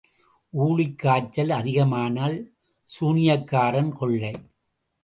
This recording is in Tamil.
ஊழிக் காய்ச்சல் அதிகமானால் சூனியக்காரன் கொள்ளை.